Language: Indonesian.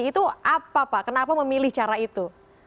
itu apa pak kenapa memilih cara itu